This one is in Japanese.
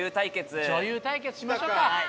女優対決しましょうか。